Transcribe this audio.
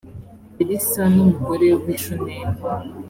elisa n umugore w i shunemu